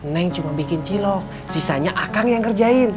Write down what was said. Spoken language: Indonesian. neng cuma bikin cilok sisanya akang yang ngerjain